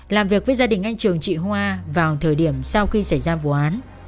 làm việc với gia đình anh trường chị hoa vào thời điểm sau khi xảy ra vụ án